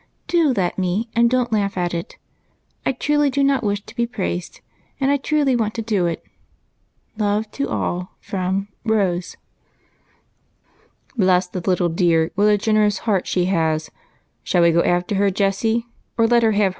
Do let me, and don't laugh at it ; I truly do not wish to be praised, and I truly want to do it. Love to all from " Rose." "Bless the little dear, what a generous heart she has I Shall we go after her, Jessie, or let her have 112 EIGHT COUSINS.